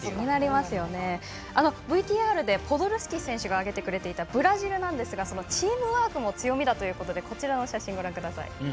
ＶＴＲでポドルスキ選手が挙げてくれていたブラジルなんですがチームワークも強みだということでこちらの写真ご覧ください。